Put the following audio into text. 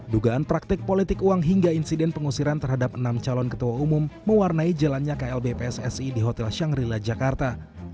dugaan praktik politik uang hingga insiden pengusiran terhadap enam calon ketua umum mewarnai jalannya klb pssi di hotel shangrila jakarta